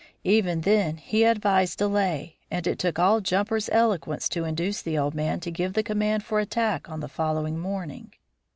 Even then he advised delay and it took all Jumper's eloquence to induce the old man to give the command for attack on the following morning.